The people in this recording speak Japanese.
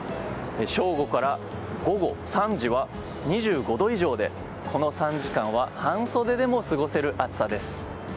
正午から午後３時は２５度以上でこの３時間は半袖でも過ごせる暑さです。